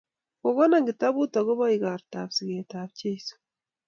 Kokona kitabut akobo igortab siget ab Jeiso